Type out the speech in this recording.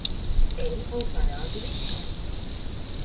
Ej un parādi visiem.